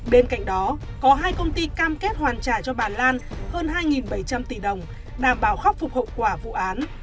bên cạnh đó có hai công ty cam kết hoàn trả cho bà lan hơn hai bảy trăm linh tỷ đồng đảm bảo khắc phục hậu quả vụ án